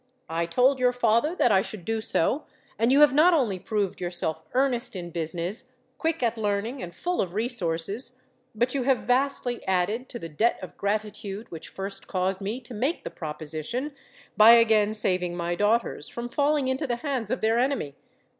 I told your father that I should do so; and you have not only proved yourself earnest in business, quick at learning, and full of resources, but you have vastly added to the debt of gratitude which first caused me to make the proposition, by again saving my daughters from falling into the hands of their enemy.